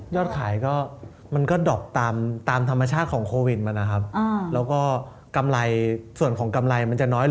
ขายก็มันก็ดอกตามธรรมชาติของโควิดมันนะครับแล้วก็กำไรส่วนของกำไรมันจะน้อยลง